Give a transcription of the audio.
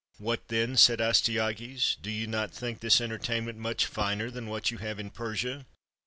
"What, then," said Astyages, "do you not think this entertainment much finer than what you have in Persia?"